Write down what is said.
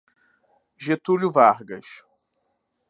Getúlio Vargas